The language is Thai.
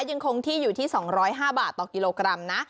ยังคงที่อยู่ที่สองร้อยห้าบาทต่อกิโลกรัมนะ